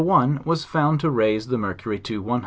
1 was found to raise the mercury to 150.